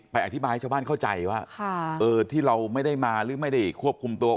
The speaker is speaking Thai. อธิบายให้ชาวบ้านเข้าใจว่าที่เราไม่ได้มาหรือไม่ได้ควบคุมตัว